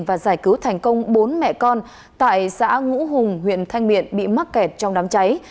và giải cứu thành công bốn mẹ con tại xã ngũ hùng huyện thanh miện bị mắc kẹt trong đám cháy